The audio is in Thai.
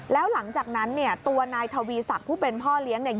แล้วหลังจากนั้นเนี่ยตัวนายทวีศักดิ์ผู้เป็นพ่อเลี้ยงเนี่ย